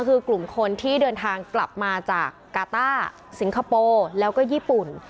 คือกลุ่มคนที่เดินทางกลับมาจากกาต้าสิงคโปร์แล้วก็ญี่ปุ่น